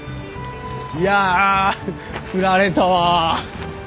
いや振られたわ。